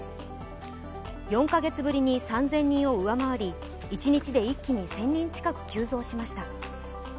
４カ月ぶりに３０００人を上回り、一日で一気に１０００人近く急増しました。